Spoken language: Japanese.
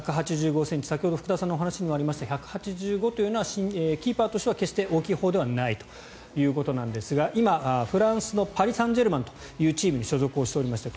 １８５ｃｍ、先ほど福田さんのお話にもありましたが１８５というのはキーパーとしては決して大きいほうではないということですが今、フランスのパリ・サンジェルマンというチームに所属しておりまして